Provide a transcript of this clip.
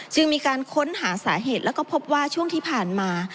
มีการค้นหาสาเหตุแล้วก็พบว่าช่วงที่ผ่านมา